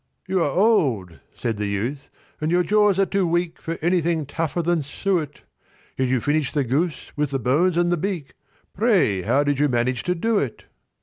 "You are old," said the youth, "and your jaws are too weak For anything tougher than suet; Yet you finished the goose, with the bones and the beak— Pray, how did you manage to do it?"